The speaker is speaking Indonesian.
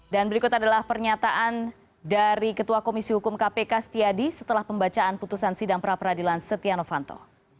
dan berikut adalah pernyataan dari ketua komisi hukum kpk setiadi setelah pembacaan putusan sidang praperadilan setia novanto